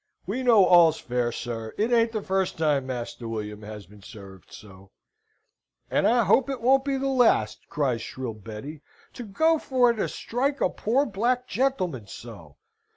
"We know all's fair, sir. It ain't the first time Master William have been served so." "And I hope it won't be the last," cries shrill Betty. "To go for to strike a poor black gentleman so!"